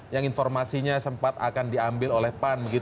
yang informasinya sempat akan diambil oleh pan